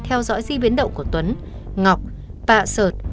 theo dõi di biến động của tuấn ngọc tạ sợt